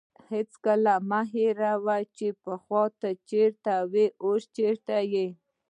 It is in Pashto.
هېڅکله مه هېروه چې پخوا ته چیرته وې او اوس چیرته یې.